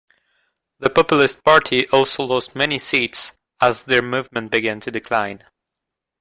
The Populist Party also lost many seats, as their movement began to decline.